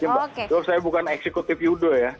mbak saya bukan eksekutif judo ya